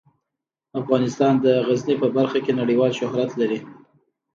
افغانستان د غزني په برخه کې نړیوال شهرت لري.